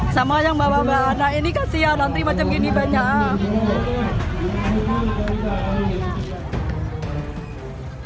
sama yang bawa bawa anak ini kasian nanti macam gini banyak